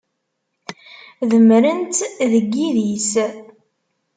Demmren-tt deg yidis.